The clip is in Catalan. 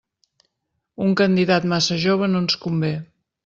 Un candidat massa jove no ens convé.